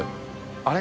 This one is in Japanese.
あれ？